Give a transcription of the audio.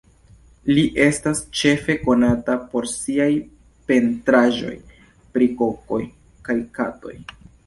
Li estas ĉefe konata por siaj pentraĵoj pri kokoj kaj katoj.